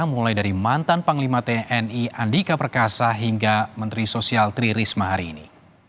mulai dari mantan panglima tni andika perkasa hingga menteri sosial tri risma hari ini